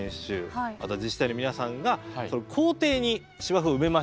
あとは自治体の皆さんが校庭に芝生を埋めましょうと。